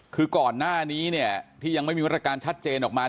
คือก่อนหน้านี้เนี่ยที่ยังไม่มีมาตรการชัดเจนออกมา